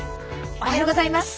おはようございます。